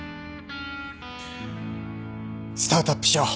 スタートアップしよう